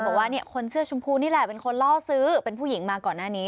บอกว่าเนี่ยคนเสื้อชมพูนี่แหละเป็นคนล่อซื้อเป็นผู้หญิงมาก่อนหน้านี้